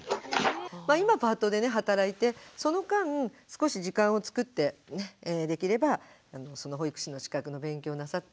今パートでね働いてその間少し時間を作ってできればその保育士の資格の勉強をなさって。